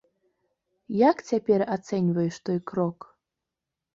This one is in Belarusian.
Як цяпер ацэньваеш той крок?